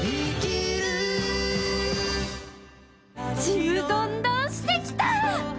ちむどんどんしてきた！